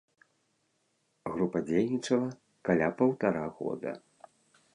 Група дзейнічала каля паўтара года.